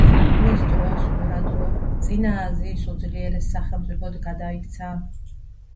მის დროს ურარტუ წინა აზიის უძლიერეს სახელმწიფოდ გადაიქცა.